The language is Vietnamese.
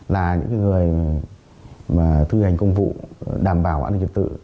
là những người mà thư hành công vụ đảm bảo an ninh kiểm tự